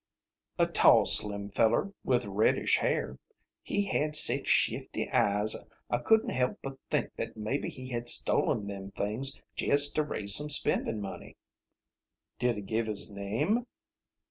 "A tall, slim feller, with reddish hair. He had sech shifty eyes I couldn't help but think that maybe he had stolen them things jest to raise some spending money." "Did he give his name?"